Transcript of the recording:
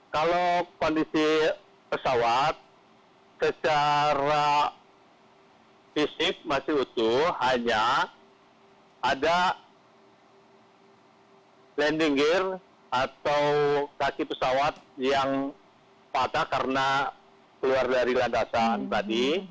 kalau kondisi pesawat secara fisik masih utuh hanya ada landing gear atau kaki pesawat yang patah karena keluar dari landasan tadi